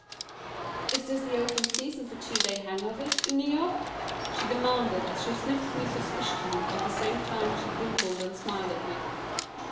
"Is this the open season for two day hangovers, in New York?" she demanded as she sniffed me suspiciously at the same time she dimpled and smiled at me.